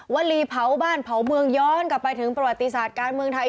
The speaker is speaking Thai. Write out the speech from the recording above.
วลีเผาบ้านเผาเมืองย้อนกลับไปถึงประวัติศาสตร์การเมืองไทย